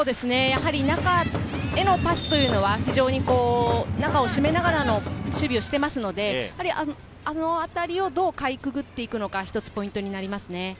中へのパスというのは非常に締めながらの守備をしていますので、あのあたりをどうかいくぐっていくのかが一つポイントになりますね。